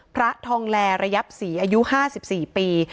พระทองแลระยับศรีอายุ๕๔ปี